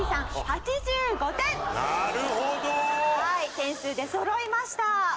点数出そろいました。